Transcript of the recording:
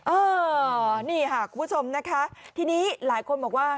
เออนี่ค่ะคุณผู้ชมนะคะทีนี้หลายคนบอกว่า